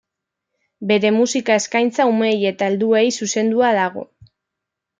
Bere musika eskaintza umeei eta helduei zuzendua dago.